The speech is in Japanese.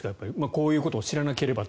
こういうことを知らなければ。